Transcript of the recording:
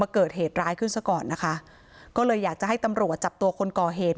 เกิดเหตุร้ายขึ้นซะก่อนนะคะก็เลยอยากจะให้ตำรวจจับตัวคนก่อเหตุ